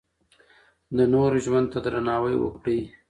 د نورو ژوند ته درناوی وکړئ.